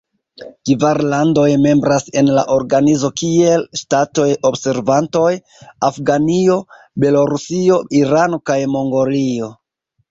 Kvar landoj membras en la organizo kiel ŝtatoj-observantoj: Afganio, Belorusio, Irano kaj Mongolio.